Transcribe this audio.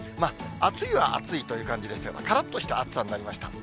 暑いは暑いという感じでしたけど、からっとした暑さになりました。